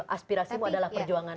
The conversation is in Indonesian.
aspirasimu adalah perjuanganku